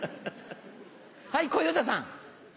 はい、小遊三さん。